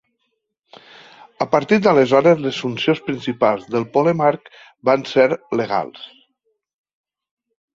A partir d'aleshores les funcions principals del polemarc van ser legals.